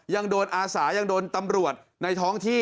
ยังโดนอาสายังโดนตำรวจในท้องที่